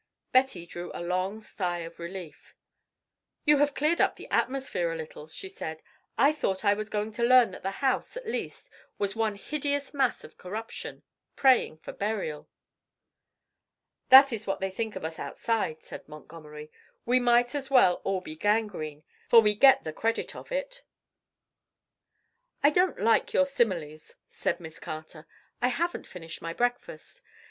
Betty drew a long sigh of relief. "You have cleared up the atmosphere a little," she said. "I thought I was going to learn that the House, at least, was one hideous mass of corruption, praying for burial." "That is what they think of us outside," said Montgomery. "We might as well all be gangrene, for we get the credit of it." "I don't like your similes," said Miss Carter; "I haven't finished my breakfast. Mr.